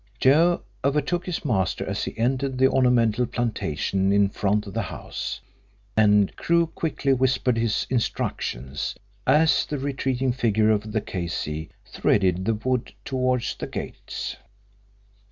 Joe overtook his master as he entered the ornamental plantation in front of the house, and Crewe quickly whispered his instructions, as the retreating figure of the K.C. threaded the wood towards the gates.